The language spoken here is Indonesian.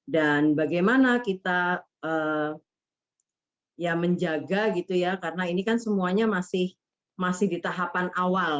dan bagaimana kita ya menjaga gitu ya karena ini kan semuanya masih masih di tahapan awal